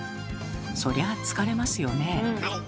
そりゃ疲れますよね。